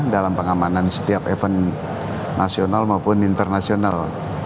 dalam pengamanan setiap event nasional maupun internasional